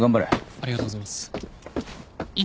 ありがとうございます。